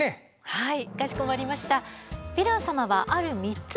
はい。